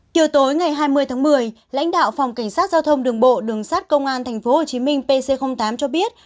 chiều tối ngày hai mươi tháng một mươi lãnh đạo phòng cảnh sát giao thông đường bộ đường sát công an tp hcm pc tám cho biết